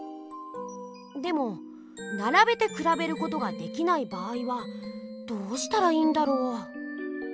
でもならべてくらべることができない場合はどうしたらいいんだろう？